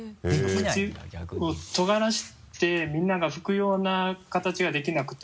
口をとがらせてみんなが吹くような形ができなくて。